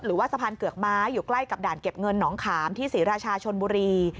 หรือว่าสะพานเกือกม้าอยู่ใกล้กับด่านเก็บเงินหนองขามที่ศรีราชาชนบุรี